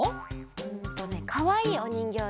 うんとねかわいいおにんぎょうで。